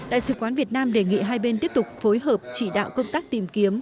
đại sứ quán việt nam đề nghị hai bên tiếp tục phối hợp chỉ đạo công tác tìm kiếm